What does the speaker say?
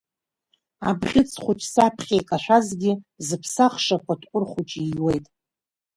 Абӷьыц хәыҷ саԥхьа икашәазгьы зыԥсахша апытҟәыр хәыҷ ииуеит…